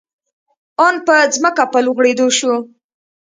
آن په ځمکه په لوغړېدو شو.